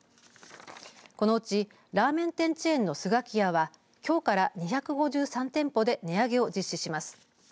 このうちラーメン店チェーンのスガキヤはきょうから２５３店舗で値上げを実施します。